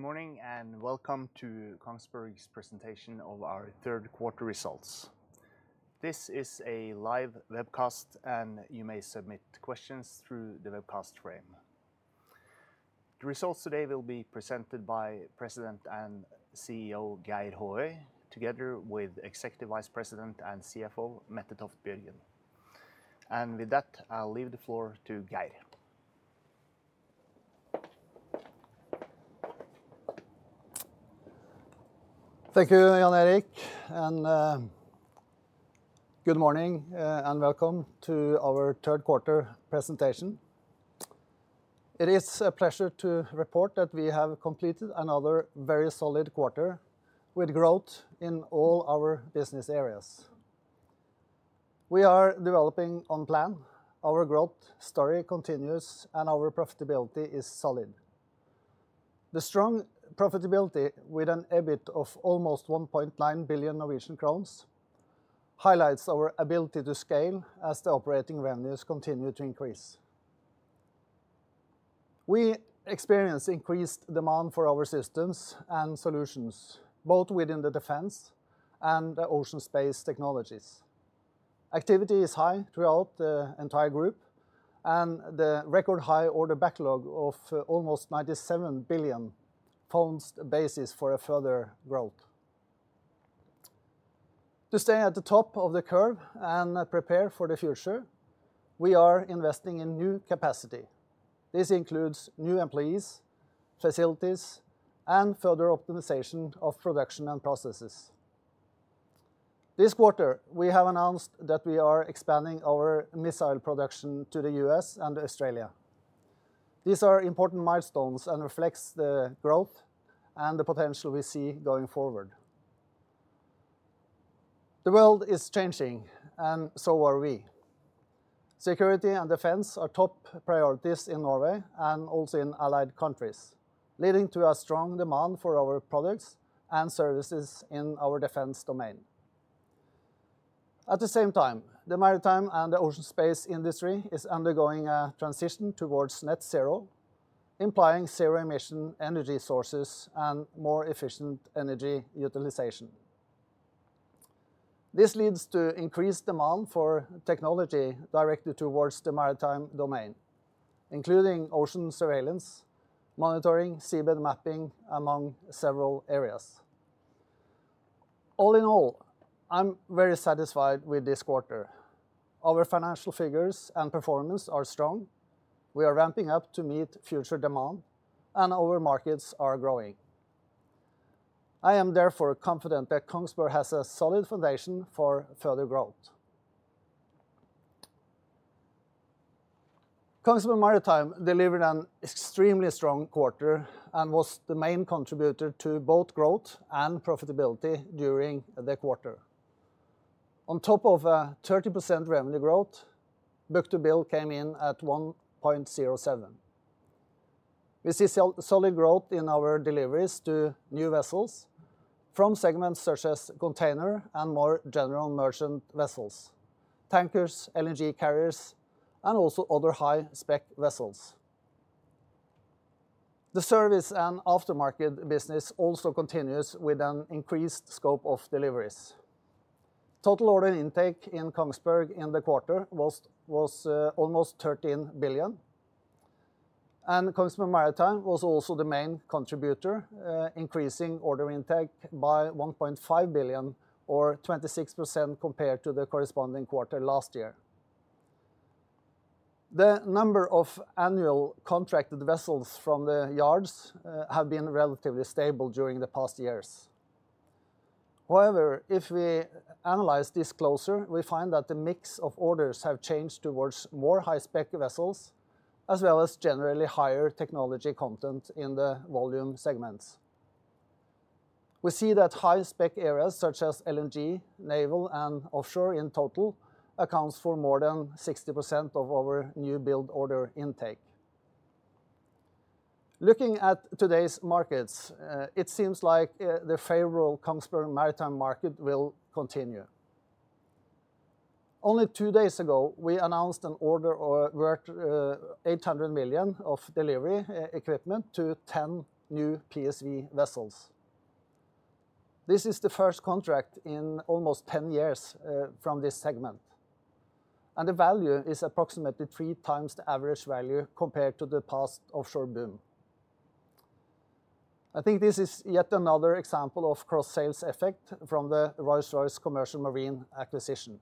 ...Good morning, and welcome to Kongsberg's presentation of our third quarter results. This is a live webcast, and you may submit questions through the webcast frame. The results today will be presented by President and CEO Geir Håøy, together with Executive Vice President and CFO, Mette Toft Bjørgen. And with that, I'll leave the floor to Geir. Thank you, Jan Erik, and good morning and welcome to our third quarter presentation. It is a pleasure to report that we have completed another very solid quarter with growth in all our business areas. We are developing on plan. Our growth story continues, and our profitability is solid. The strong profitability, with an EBIT of almost 1.9 billion Norwegian crowns, highlights our ability to scale as the operating revenues continue to increase. We experience increased demand for our systems and solutions, both within the defense and the ocean and space technologies. Activity is high throughout the entire group, and the record high order backlog of almost 97 billion forms the basis for a further growth. To stay at the top of the curve and prepare for the future, we are investing in new capacity. This includes new employees, facilities, and further optimization of production and processes. This quarter, we have announced that we are expanding our missile production to the U.S. and Australia. These are important milestones and reflects the growth and the potential we see going forward. The world is changing, and so are we. Security and defense are top priorities in Norway and also in allied countries, leading to a strong demand for our products and services in our defense domain. At the same time, the maritime and the ocean space industry is undergoing a transition towards net zero, implying zero emission energy sources and more efficient energy utilization. This leads to increased demand for technology directed towards the maritime domain, including ocean surveillance, monitoring, seabed mapping, among several areas. All in all, I'm very satisfied with this quarter. Our financial figures and performance are strong. We are ramping up to meet future demand, and our markets are growing. I am therefore confident that Kongsberg has a solid foundation for further growth. Kongsberg Maritime delivered an extremely strong quarter and was the main contributor to both growth and profitability during the quarter. On top of a 30% revenue growth, book-to-bill came in at 1.07. We see solid growth in our deliveries to new vessels from segments such as container and more general merchant vessels, tankers, LNG carriers, and also other high-spec vessels. The service and aftermarket business also continues with an increased scope of deliveries. Total order intake in Kongsberg in the quarter was almost 13 billion, and Kongsberg Maritime was also the main contributor, increasing order intake by 1.5 billion or 26% compared to the corresponding quarter last year. The number of annual contracted vessels from the yards have been relatively stable during the past years. However, if we analyze this closer, we find that the mix of orders have changed towards more high-spec vessels, as well as generally higher technology content in the volume segments. We see that high-spec areas such as LNG, naval, and offshore in total accounts for more than 60% of our new build order intake. Looking at today's markets, it seems like the favorable Kongsberg Maritime market will continue. Only two days ago, we announced an order worth 800 million of delivery equipment to 10 new PSV vessels. This is the first contract in almost 10 years from this segment, and the value is approximately three times the average value compared to the past offshore boom. I think this is yet another example of cross-sales effect from the Rolls-Royce Commercial Marine acquisition.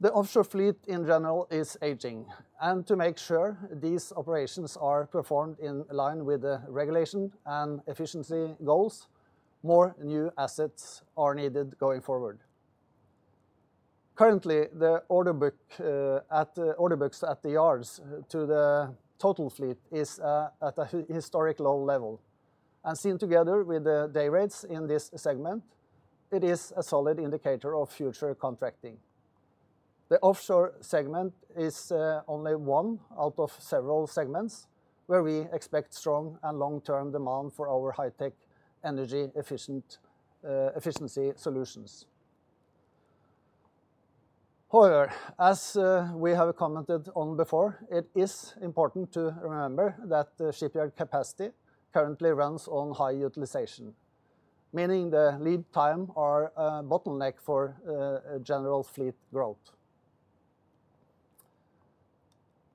The offshore fleet in general is aging, and to make sure these operations are performed in line with the regulation and efficiency goals, more new assets are needed going forward. Currently, the order books at the yards to the total fleet is at a historic low level. And seen together with the day rates in this segment, it is a solid indicator of future contracting. The offshore segment is only one out of several segments where we expect strong and long-term demand for our high-tech, energy efficiency solutions. However, as we have commented on before, it is important to remember that the shipyard capacity currently runs on high utilization, meaning the lead time are a bottleneck for a general fleet growth.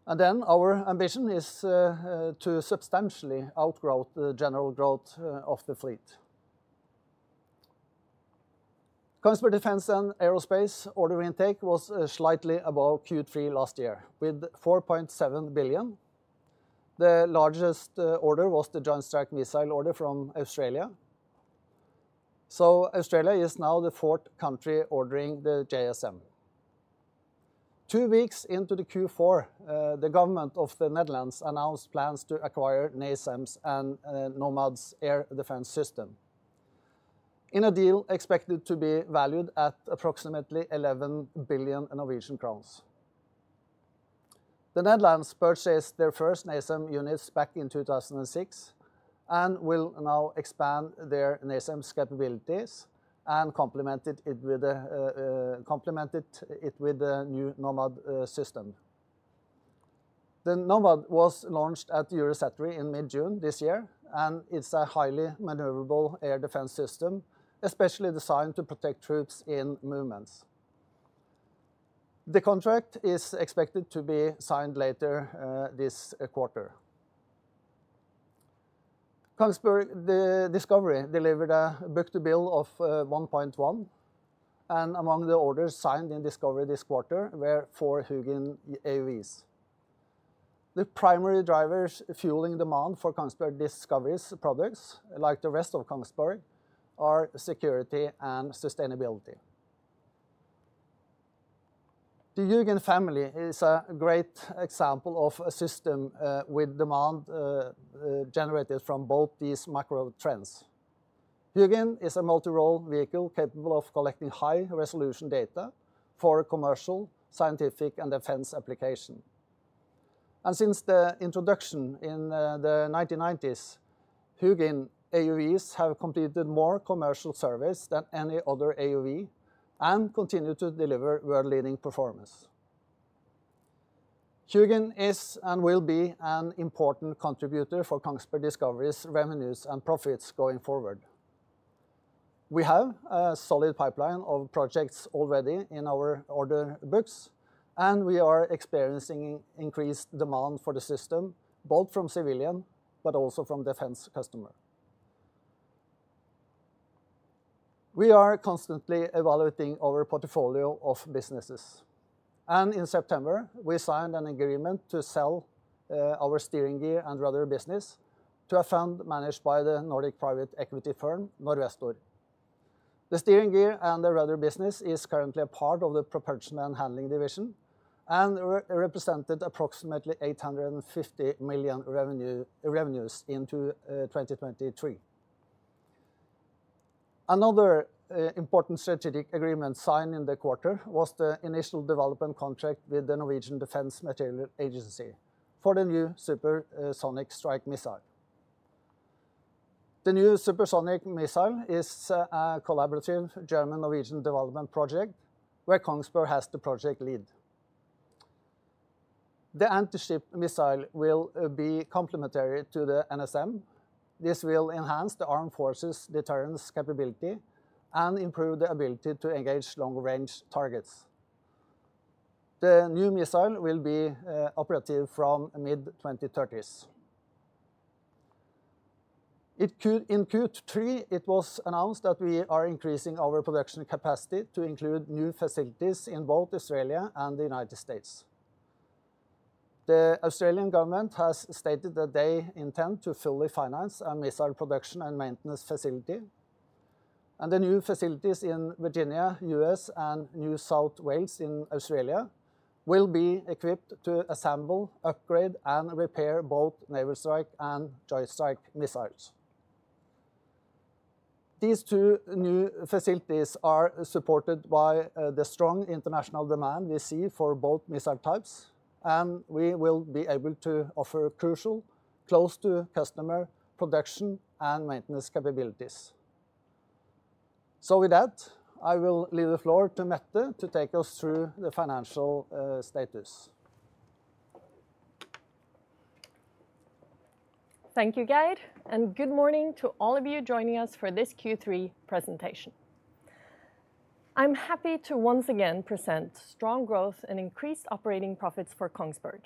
And then our ambition is to substantially outgrow the general growth of the fleet. Kongsberg Defence & Aerospace order intake was slightly above Q3 last year, with 4.7 billion. The largest order was the Joint Strike Missile order from Australia. So Australia is now the fourth country ordering the JSM. Two weeks into the Q4, the government of the Netherlands announced plans to acquire NASAMS and NOMAD air defense system, in a deal expected to be valued at approximately 11 billion Norwegian crowns. The Netherlands purchased their first NASAMS units back in 2006, and will now expand their NASAMS capabilities and complemented it with the new NOMAD system. The NOMAD was launched at Eurosatory in mid-June this year, and it's a highly maneuverable air defense system, especially designed to protect troops in movement. The contract is expected to be signed later this quarter. Kongsberg Discovery delivered a book-to-bill of one point one, and among the orders signed in Discovery this quarter were four HUGIN AUVs. The primary drivers fueling demand for Kongsberg Discovery's products, like the rest of Kongsberg, are security and sustainability. The HUGIN family is a great example of a system with demand generated from both these macro trends. HUGIN is a multi-role vehicle capable of collecting high-resolution data for commercial, scientific, and defense application. And since the introduction in the nineteen nineties, HUGIN AUVs have completed more commercial surveys than any other AUV and continue to deliver world-leading performance. HUGIN is and will be an important contributor for Kongsberg Discovery's revenues and profits going forward. We have a solid pipeline of projects already in our order books, and we are experiencing increased demand for the system, both from civilian but also from defense customer. We are constantly evaluating our portfolio of businesses, and in September, we signed an agreement to sell our steering gear and rudder business to a fund managed by the Nordic private equity firm, Norvestor. The steering gear and the rudder business is currently a part of the Propulsion and Handling division and represented approximately 850 million in revenues in 2023. Another important strategic agreement signed in the quarter was the initial development contract with the Norwegian Defence Materiel Agency for the new supersonic strike missile. The new supersonic missile is a collaborative German-Norwegian development project where Kongsberg has the project lead. The anti-ship missile will be complementary to the NSM. This will enhance the armed forces deterrence capability and improve the ability to engage long-range targets. The new missile will be operative from mid-2030s. In Q3, it was announced that we are increasing our production capacity to include new facilities in both Australia and the United States. The Australian government has stated that they intend to fully finance a missile production and maintenance facility, and the new facilities in Virginia, U.S., and New South Wales in Australia, will be equipped to assemble, upgrade, and repair both Naval Strike and Joint Strike missiles. These two new facilities are supported by the strong international demand we see for both missile types, and we will be able to offer crucial, close-to-customer production and maintenance capabilities. So with that, I will leave the floor to Mette to take us through the financial status. Thank you, Geir, and good morning to all of you joining us for this Q3 presentation. I'm happy to once again present strong growth and increased operating profits for Kongsberg,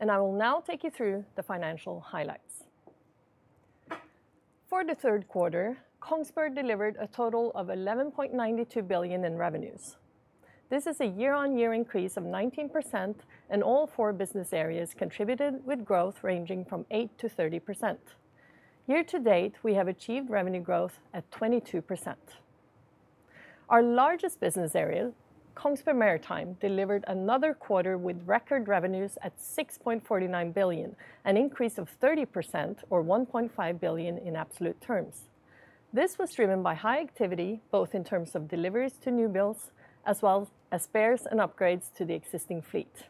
and I will now take you through the financial highlights. For the third quarter, Kongsberg delivered a total of 11.92 billion in revenues. This is a year-on-year increase of 19%, and all four business areas contributed with growth ranging from 8%-30%. Year-to-date, we have achieved revenue growth at 22%. Our largest business area, Kongsberg Maritime, delivered another quarter with record revenues at 6.49 billion, an increase of 30% or 1.5 billion in absolute terms. This was driven by high activity, both in terms of deliveries to new builds, as well as spares and upgrades to the existing fleet.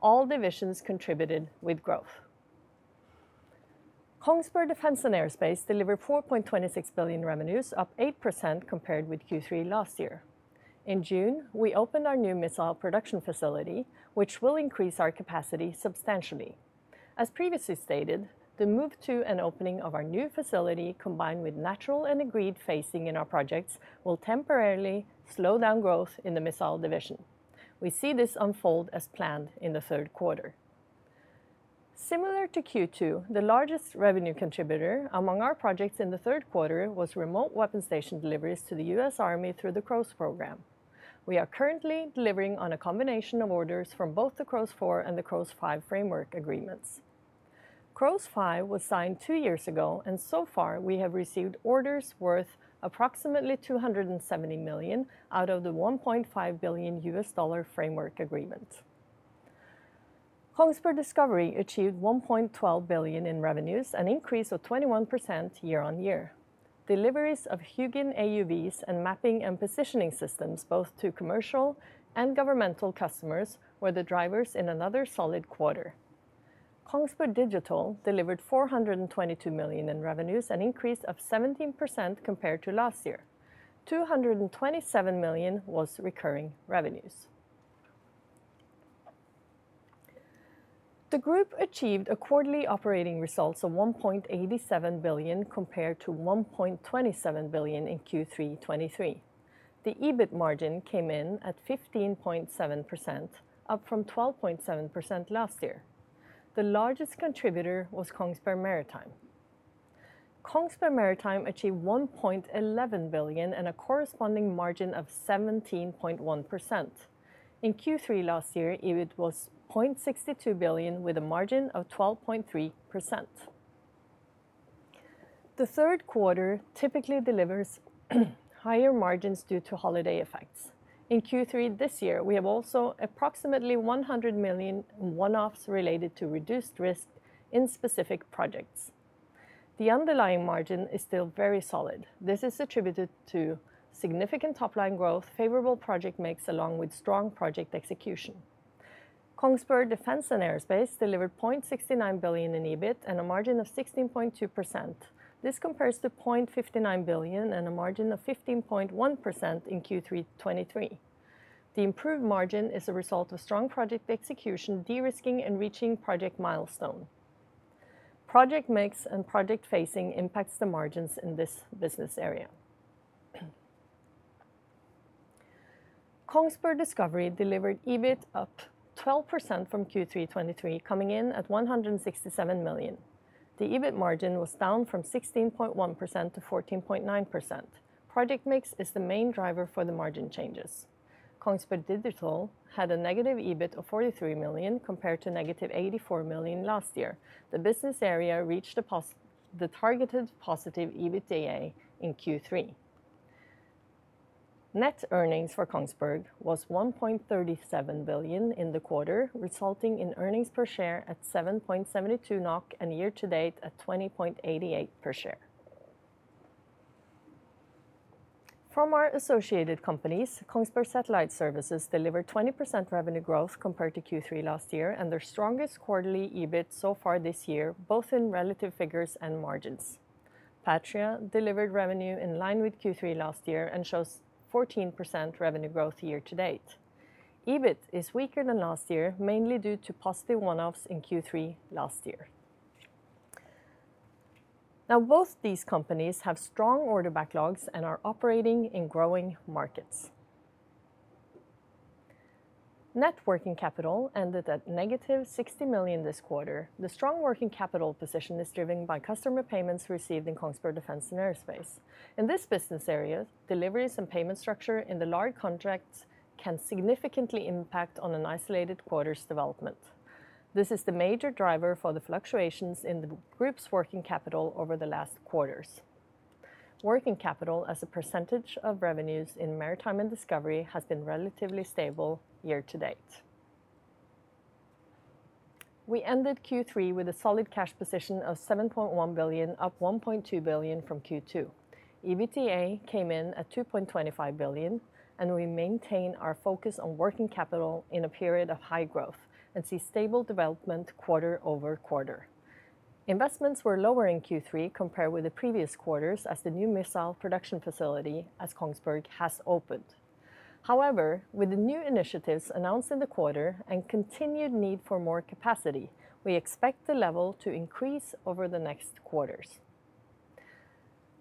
All divisions contributed with growth. Kongsberg Defence & Aerospace delivered 4.26 billion revenues, up 8% compared with Q3 last year. In June, we opened our new missile production facility, which will increase our capacity substantially. As previously stated, the move to and opening of our new facility, combined with natural and agreed phasing in our projects, will temporarily slow down growth in the missile division. We see this unfold as planned in the third quarter. Similar to Q2, the largest revenue contributor among our projects in the third quarter was remote weapon station deliveries to the U.S. Army through the CROWS program. We are currently delivering on a combination of orders from both the CROWS IV and the CROWS V framework agreements. CROWS V was signed two years ago, and so far we have received orders worth approximately $270 million out of the $1.5 billion U.S. dollar framework agreement. Kongsberg Discovery achieved 1.12 billion in revenues, an increase of 21% year on year. Deliveries of HUGIN AUVs and mapping and positioning systems, both to commercial and governmental customers, were the drivers in another solid quarter. Kongsberg Digital delivered 422 million in revenues, an increase of 17% compared to last year. 227 million was recurring revenues. The group achieved a quarterly operating results of 1.87 billion, compared to 1.27 billion in Q3 2023. The EBIT margin came in at 15.7%, up from 12.7% last year. The largest contributor was Kongsberg Maritime. Kongsberg Maritime achieved 1.11 billion and a corresponding margin of 17.1%. In Q3 last year, EBIT was 0.62 billion, with a margin of 12.3%. The third quarter typically delivers higher margins due to holiday effects. In Q3 this year, we have also approximately 100 million one-offs related to reduced risk in specific projects. The underlying margin is still very solid. This is attributed to significant top-line growth, favorable project mix, along with strong project execution. Kongsberg Defence & Aerospace delivered 0.69 billion in EBIT and a margin of 16.2%. This compares to 0.59 billion and a margin of 15.1% in Q3 2023. The improved margin is a result of strong project execution, de-risking, and reaching project milestone. Project mix and project phasing impacts the margins in this business area. Kongsberg Discovery delivered EBIT up 12% from Q3 2023, coming in at 167 million. The EBIT margin was down from 16.1% to 14.9%. Project mix is the main driver for the margin changes. Kongsberg Digital had a negative EBIT of 43 million, compared to negative 84 million last year. The business area reached the targeted positive EBITDA in Q3. Net earnings for Kongsberg was 1.37 billion in the quarter, resulting in earnings per share at 7.72 NOK, and year-to-date at 20.88 per share. From our associated companies, Kongsberg Satellite Services delivered 20% revenue growth compared to Q3 last year, and their strongest quarterly EBIT so far this year, both in relative figures and margins. Patria delivered revenue in line with Q3 last year and shows 14% revenue growth year-to-date. EBIT is weaker than last year, mainly due to positive one-offs in Q3 last year. Now, both these companies have strong order backlogs and are operating in growing markets. Net working capital ended at -60 million this quarter. The strong working capital position is driven by customer payments received in Kongsberg Defence & Aerospace. In this business area, deliveries and payment structure in the large contracts can significantly impact on an isolated quarter's development. This is the major driver for the fluctuations in the group's working capital over the last quarters. Working capital as a percentage of revenues in Maritime and Discovery has been relatively stable year-to-date. We ended Q3 with a solid cash position of 7.1 billion, up 1.2 billion from Q2. EBITDA came in at 2.25 billion, and we maintain our focus on working capital in a period of high growth and see stable development quarter over quarter. Investments were lower in Q3 compared with the previous quarters, as the new missile production facility at Kongsberg has opened. However, with the new initiatives announced in the quarter and continued need for more capacity, we expect the level to increase over the next quarters.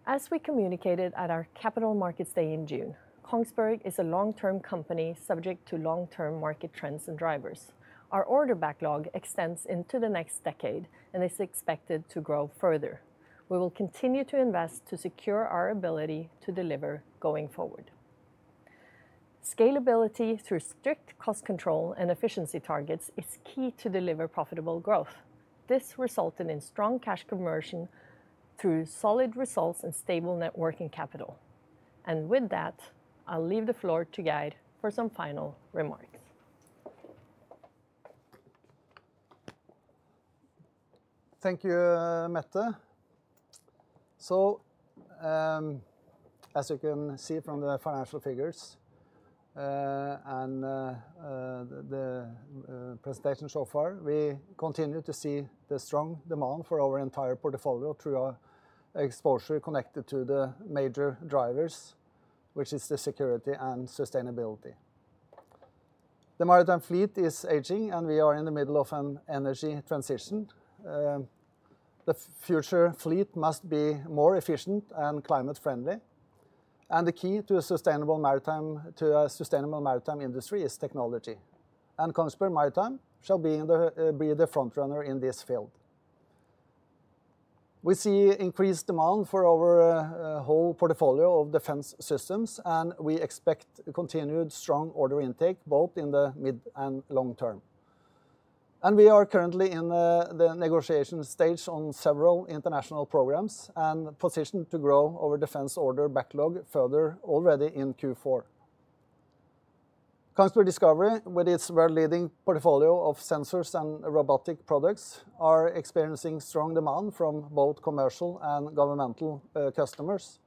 As we communicated at our Capital Markets Day in June, Kongsberg is a long-term company subject to long-term market trends and drivers. Our order backlog extends into the next decade and is expected to grow further. We will continue to invest to secure our ability to deliver going forward. Scalability through strict cost control and efficiency targets is key to deliver profitable growth. This resulted in strong cash conversion through solid results and stable net working capital. With that, I'll leave the floor to Geir for some final remarks. Thank you, Mette, so as you can see from the financial figures, and the presentation so far, we continue to see the strong demand for our entire portfolio through our exposure connected to the major drivers, which is the security and sustainability. The maritime fleet is aging, and we are in the middle of an energy transition. The future fleet must be more efficient and climate-friendly, and the key to a sustainable maritime industry is technology, and Kongsberg Maritime shall be the front runner in this field. We see increased demand for our whole portfolio of defense systems, and we expect continued strong order intake, both in the mid and long term. We are currently in the negotiation stage on several international programs and positioned to grow our defense order backlog further already in Q4. Kongsberg Discovery, with its world-leading portfolio of sensors and robotic products, are experiencing strong demand from both commercial and governmental customers.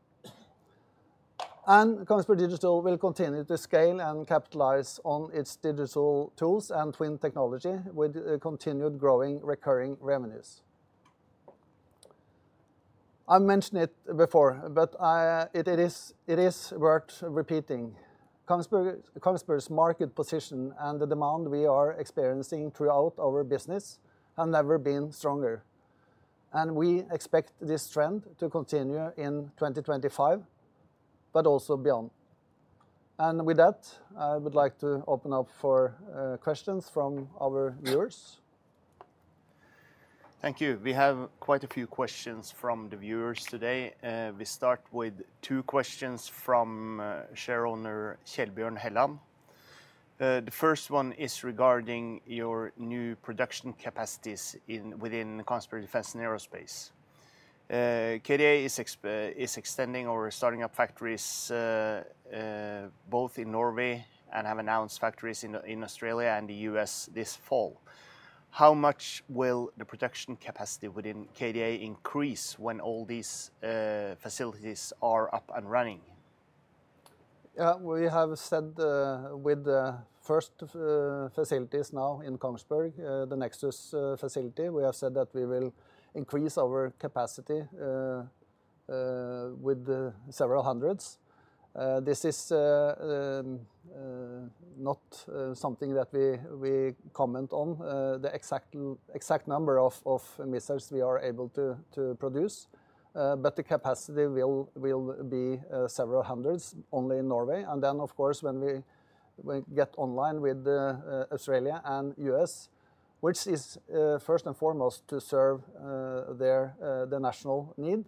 Kongsberg Digital will continue to scale and capitalize on its digital tools and twin technology, with continued growing recurring revenues. I've mentioned it before, but it is worth repeating. Kongsberg, Kongsberg's market position and the demand we are experiencing throughout our business have never been stronger, and we expect this trend to continue in 2025, but also beyond. With that, I would like to open up for questions from our viewers. Thank you. We have quite a few questions from the viewers today. We start with two questions from shareowner Kjellbjørn Helland. The first one is regarding your new production capacities within Kongsberg Defence & Aerospace. KDA is extending or starting up factories both in Norway, and have announced factories in Australia and the U.S. this fall. How much will the production capacity within KDA increase when all these facilities are up and running? Yeah, we have said, with the first facilities now in Kongsberg, the Nexus facility, we have said that we will increase our capacity with several hundreds. This is not something that we comment on, the exact number of missiles we are able to produce. But the capacity will be several hundreds only in Norway, and then, of course, when we get online with Australia and U.S., which is first and foremost to serve their national need.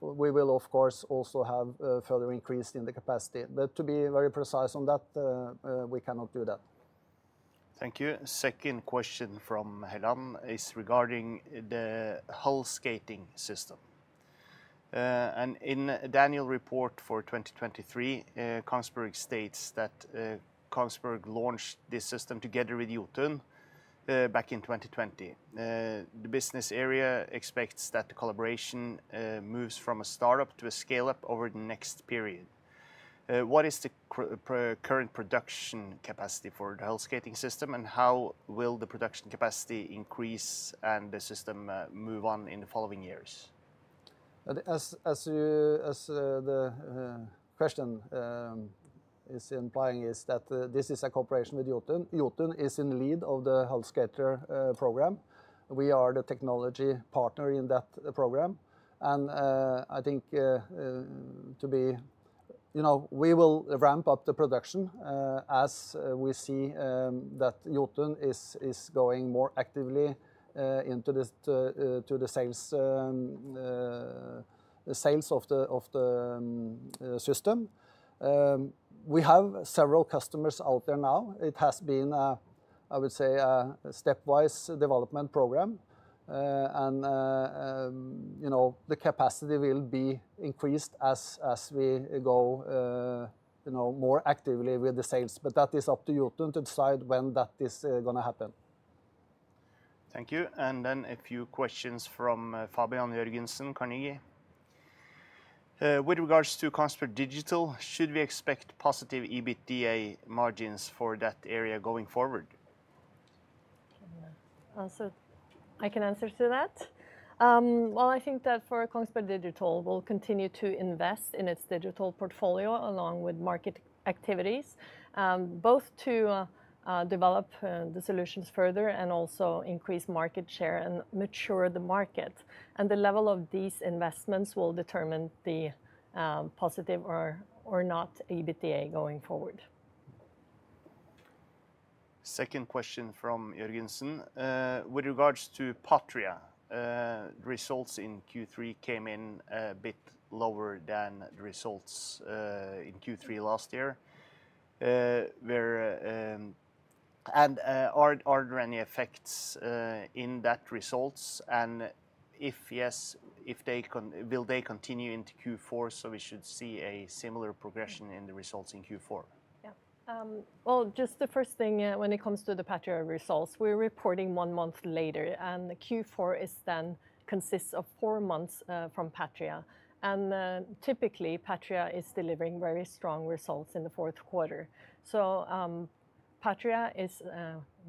We will, of course, also have a further increase in the capacity, but to be very precise on that, we cannot do that. Thank you. Second question from Helland is regarding the Hull Skating System, and in annual report for 2023, Kongsberg states that, Kongsberg launched this system together with Jotun, back in 2020. The business area expects that the collaboration, moves from a startup to a scale-up over the next period. What is the current production capacity for the Hull Skating System, and how will the production capacity increase and the system, move on in the following years? But as the question is implying, this is a cooperation with Jotun. Jotun is in the lead of the Hull Skater program. We are the technology partner in that program, and I think, you know, we will ramp up the production as we see that Jotun is going more actively into the sales of the system. We have several customers out there now. It has been a, I would say, a stepwise development program. And you know, the capacity will be increased as we go more actively with the sales, but that is up to Jotun to decide when that is gonna happen. Thank you. And then a few questions from Fabian Jørgensen, Carnegie. Uh, with regards to Kongsberg Digital, should we expect positive EBITDA margins for that area going forward? I can answer that. Well, I think that for Kongsberg Digital, we'll continue to invest in its digital portfolio, along with market activities, both to develop the solutions further and also increase market share and mature the market. The level of these investments will determine the positive or not EBITDA going forward. Second question from Jørgensen: with regards to Patria, results in Q3 came in a bit lower than the results in Q3 last year. Are there any effects in that results? And if yes, will they continue into Q4, so we should see a similar progression in the results in Q4? Yeah, well, just the first thing, when it comes to the Patria results, we're reporting one month later, and the Q4 is then consists of four months from Patria, and typically, Patria is delivering very strong results in the fourth quarter, so Patria is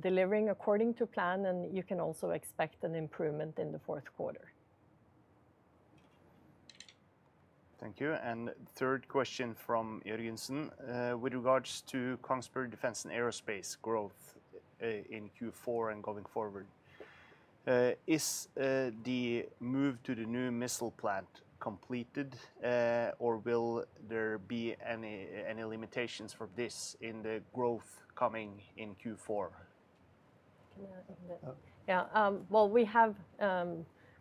delivering according to plan, and you can also expect an improvement in the fourth quarter. Thank you, and third question from Jørgensen, with regards to Kongsberg Defence & Aerospace growth, in Q4 and going forward, is the move to the new missile plant completed, or will there be any limitations for this in the growth coming in Q4? Can I answer that? Oh. Yeah, well, we have.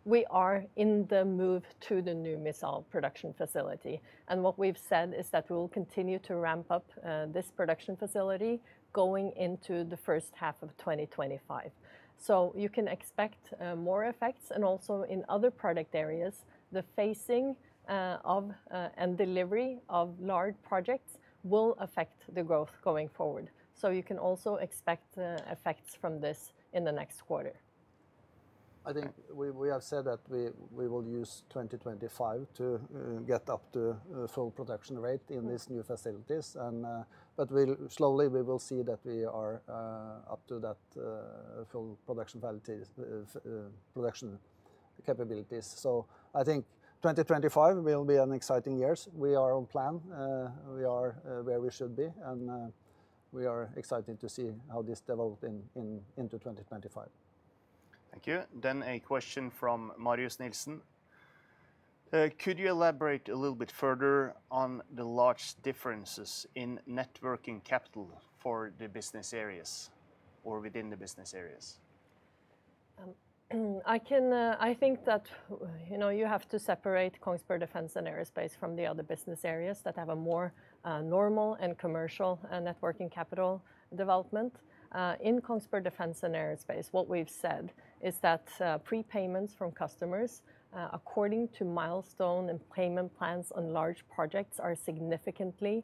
We are in the move to the new missile production facility, and what we've said is that we will continue to ramp up this production facility going into the first half of 2025. So you can expect more effects, and also in other product areas, the phasing of and delivery of large projects will affect the growth going forward. So you can also expect effects from this in the next quarter. I think we have said that we will use 2025 to get up to full production rate in these new facilities, and but we'll slowly see that we are up to that full production facilities production capabilities. So I think 2025 will be an exciting years. We are on plan. We are where we should be, and we are excited to see how this developed into 2025. Thank you. Then a question from Marius Nielsen. Could you elaborate a little bit further on the large differences in net working capital for the business areas or within the business areas? I think that, you know, you have to separate Kongsberg Defence & Aerospace from the other business areas that have a more normal and commercial net working capital development. In Kongsberg Defence & Aerospace, what we've said is that prepayments from customers according to milestone and payment plans on large projects are significantly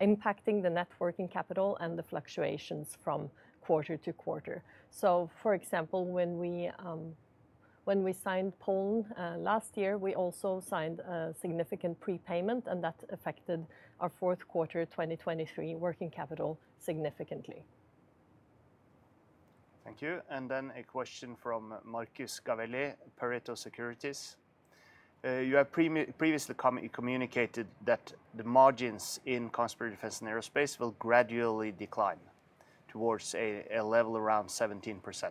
impacting the net working capital and the fluctuations from quarter to quarter. So, for example, when we signed Poland last year, we also signed a significant prepayment, and that affected our fourth quarter 2023 working capital significantly. Thank you. And then a question from Marcus Gavelli, Pareto Securities. You have previously communicated that the margins in Kongsberg Defence & Aerospace will gradually decline towards a level around 17%.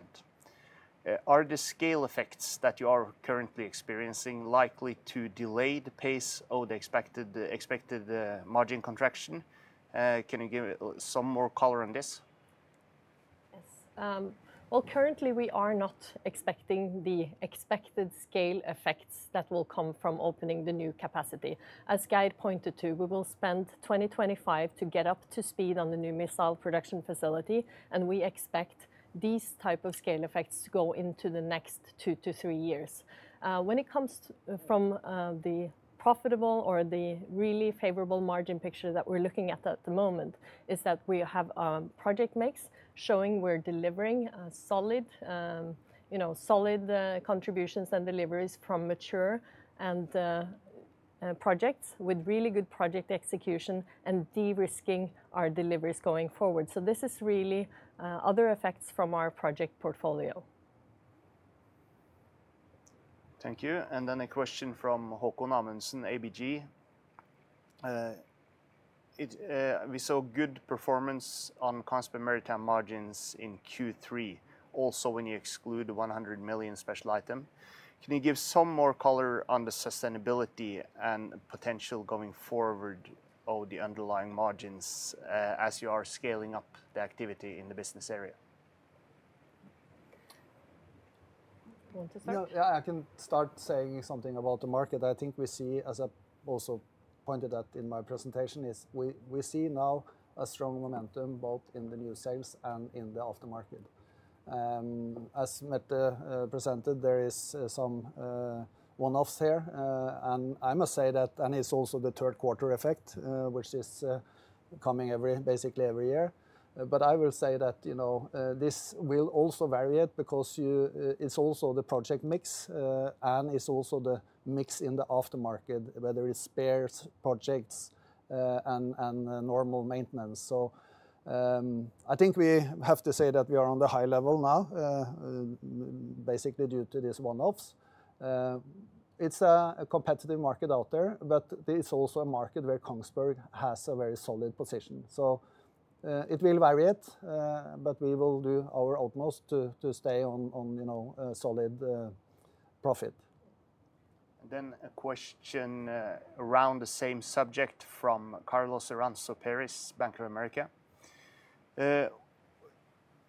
Are the scale effects that you are currently experiencing likely to delay the pace or the expected margin contraction? Can you give some more color on this? Yes. Well, currently we are not expecting the expected scale effects that will come from opening the new capacity. As Geir pointed to, we will spend 2025 to get up to speed on the new missile production facility, and we expect these type of scale effects to go into the next two to three years. When it comes from the profitable or the really favorable margin picture that we're looking at at the moment, is that we have project mix showing we're delivering a solid, you know, solid contributions and deliveries from mature and projects with really good project execution and de-risking our deliveries going forward. So this is really other effects from our project portfolio. Thank you. And then a question from Haakon Amundsen, ABG. We saw good performance on Kongsberg Maritime margins in Q3, also when you exclude the 100 million special item. Can you give some more color on the sustainability and potential going forward or the underlying margins, as you are scaling up the activity in the business area? You want to start? Yeah, I can start saying something about the market. I think we see, as I also pointed out in my presentation, is we see now a strong momentum, both in the new sales and in the aftermarket. As Mette presented, there is some one-offs here. And I must say that, and it's also the third quarter effect, which is coming basically every year. But I will say that, you know, this will also vary it, because it's also the project mix, and it's also the mix in the aftermarket, whether it's spares, projects, and normal maintenance. So, I think we have to say that we are on the high level now, basically due to these one-offs. It's a competitive market out there, but it's also a market where Kongsberg has a very solid position. So, it will vary, but we will do our utmost to stay on, you know, a solid profit. And then a question around the same subject from Carlos Iranzo Peris, Bank of America.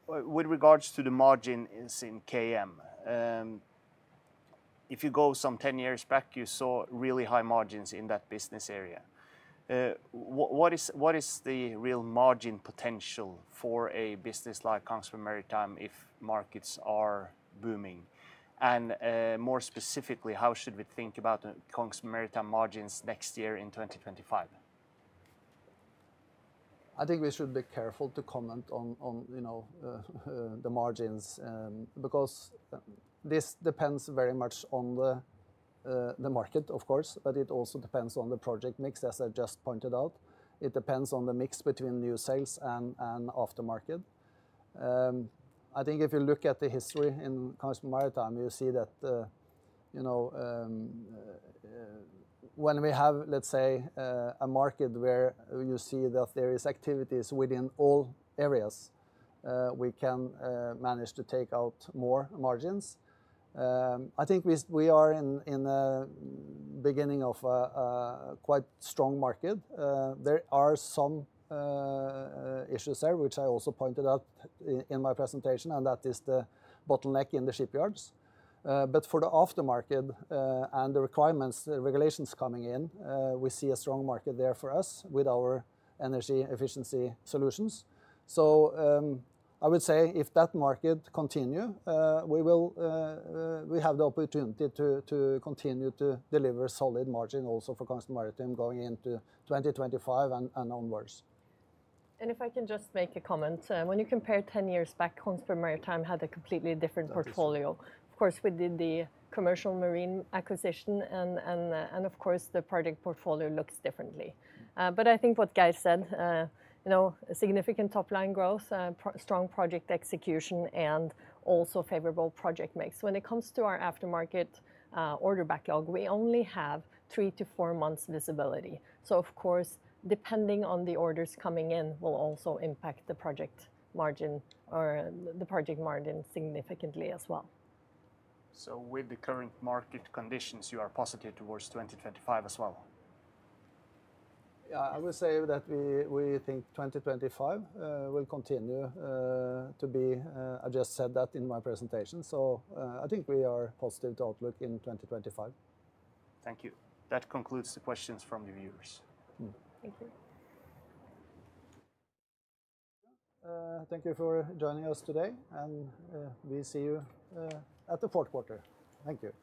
With regards to the margins in KM, if you go some 10 years back, you saw really high margins in that business area. What is the real margin potential for a business like Kongsberg Maritime if markets are booming, and more specifically, how should we think about Kongsberg Maritime margins next year in 2025? I think we should be careful to comment on you know the margins because this depends very much on the market of course but it also depends on the project mix as I just pointed out. It depends on the mix between new sales and aftermarket. I think if you look at the history in Kongsberg Maritime you see that you know when we have let's say a market where you see that there is activities within all areas we can manage to take out more margins. I think we are in a beginning of a quite strong market. There are some issues there which I also pointed out in my presentation and that is the bottleneck in the shipyards. But for the aftermarket, and the requirements, the regulations coming in, we see a strong market there for us with our energy efficiency solutions. So, I would say if that market continue, we will... We have the opportunity to continue to deliver solid margin also for Kongsberg Maritime going into 2025 and onwards. If I can just make a comment. When you compare 10 years back, Kongsberg Maritime had a completely different portfolio. Of course, we did the commercial marine acquisition and of course, the project portfolio looks differently. But I think what Geir said, you know, a significant top line growth, strong project execution, and also favorable project mix. When it comes to our aftermarket order backlog, we only have three to four months visibility. Of course, depending on the orders coming in, will also impact the project margin or the project margin significantly as well. So with the current market conditions, you are positive toward 2025 as well? Yeah, I would say that we think 2025 will continue to be. I just said that in my presentation, so I think we are positive to outlook in 2025. Thank you. That concludes the questions from the viewers. Thank you. Thank you for joining us today, and we see you at the fourth quarter. Thank you.